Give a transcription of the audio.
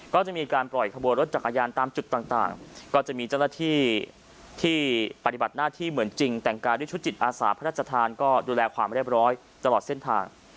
ก็จะมีการปล่อยขบวนรถจักรยานตามจุดต่างก็จะมีเจ้าหน้าที่ที่ปฏิบัติหน้าที่เหมือนจริงแต่งกายด้วยชุดจิตอาสาพระราชทานก็ดูแลความเรียบร้อยตลอดเส้นทาง